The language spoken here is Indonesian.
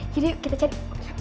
jadi yuk kita cari